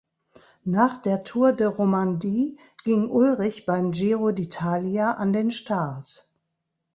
Nach der Tour de Romandie ging Ullrich beim Giro d’Italia an den Start.